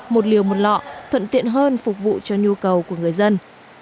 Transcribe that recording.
một liều một lọ thuận tiện hơn phục vụ cho nhu cầu của người dân